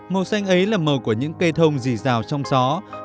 màu xanh ấy là màu của những cây thông dì rào trong gió